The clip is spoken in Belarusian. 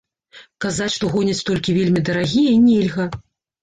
Казаць, што гоняць толькі вельмі дарагія, нельга.